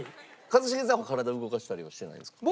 一茂さんも体動かしたりはしてないんですか？